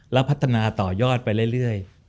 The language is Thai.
แล้วพัฒนาต่อยอดไปเรื่อย